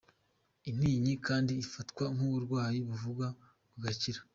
Intinyi kandi ifatwa nk’uburwayi buvurwa bugakira.